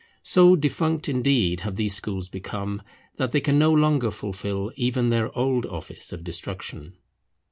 So defunct, indeed, have these schools become, that they can no longer fulfil even their old office of destruction.